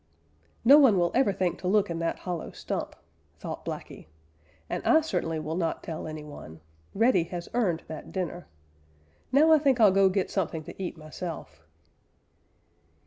"No one will ever think to look in that hollow stump," thought Blacky, "and I certainly will not tell any one. Reddy has earned that dinner. Now I think I'll go get something to eat myself."